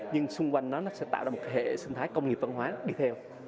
nhưng xung quanh nó sẽ tạo ra một hệ sinh thái công nghiệp văn hóa đi theo